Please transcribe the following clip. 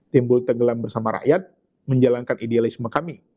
timbul tenggelam bersama rakyat menjalankan idealisme kami